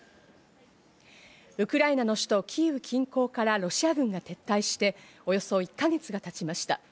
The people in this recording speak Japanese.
ウクライナの首都キーウ近郊からロシア軍が撤退しておよそ１ヶ月が経ちました。